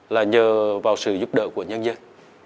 là nhờ vào sự giúp đỡ của nhân dân